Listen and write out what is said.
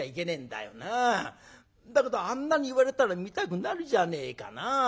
だけどあんなに言われたら見たくなるじゃねえかな。